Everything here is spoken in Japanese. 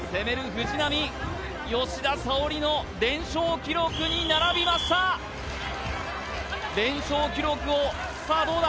藤波吉田沙保里の連勝記録に並びました連勝記録をさあどうだ？